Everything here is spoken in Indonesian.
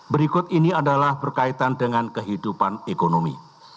berikut ini adalah berkaitan dengan kehidupan ekonomi